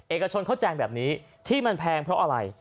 เอกชนเขาแจงแบบนี้ที่มันแพงเพราะอะไร